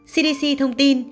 cdc thông tin